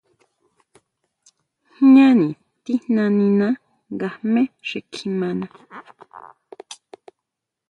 Jñáni tijna niná nga jme xi kjimaná.